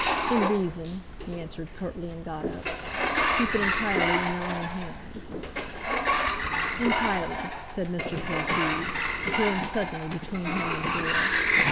"In reason," he answered curtly, and got up. "Keep it entirely in your own hands." "Entirely," said Mr. Polteed, appearing suddenly between him and the door.